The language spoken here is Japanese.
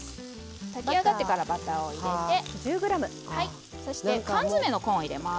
炊き上がってからバターを入れてそして缶詰のコーンを入れます。